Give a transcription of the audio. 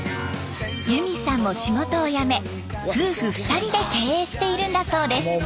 ゆみさんも仕事を辞め夫婦２人で経営しているんだそうです。